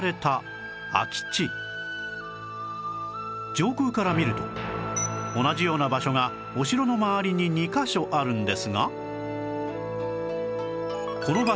上空から見ると同じような場所がお城の周りに２カ所あるんですが